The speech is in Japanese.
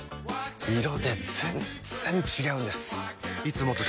色で全然違うんです！